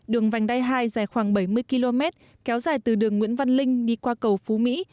đường vành đai hai dài khoảng bảy mươi km kéo dài từ đường nguyễn văn linh đi qua cầu phú mỹ